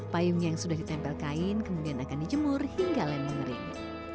payungnya yang sudah ditempel kain kemudian akan dijemur hingga lem mengering